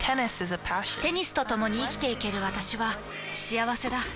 テニスとともに生きていける私は幸せだ。